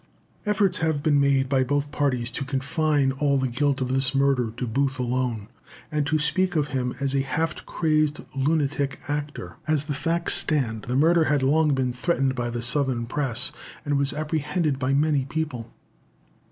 Efforts have been made by both parties to confine all the guilt of this murder to Booth alone, and to speak of him as a half crazed lunatic actor. As the facts stand, the murder had long been threatened by the Southern press, and was apprehended by many people.